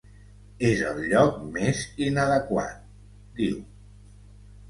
És el lloc més inadequat, diu.